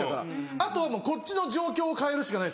あとはもうこっちの状況を変えるしかないです。